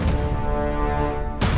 ya ini udah berakhir